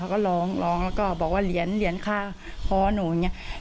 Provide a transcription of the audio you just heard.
เขาก็ร้องร้องแล้วก็บอกว่าเหรียญเหรียญค่าคอหนูอย่างนี้